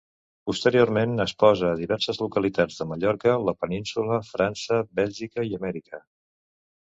Posteriorment exposa a diverses localitats de Mallorca, la Península, França, Bèlgica i Amèrica.